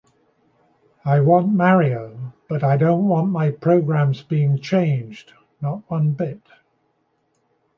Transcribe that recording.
I want Mario, but I don’t want my programs being changed, not one bit!